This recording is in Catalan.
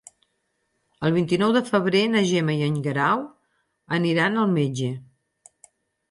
El vint-i-nou de febrer na Gemma i en Guerau aniran al metge.